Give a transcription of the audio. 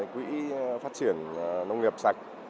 quỹ phát triển nông nghiệp sạch